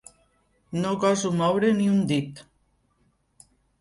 No goso moure ni un dit.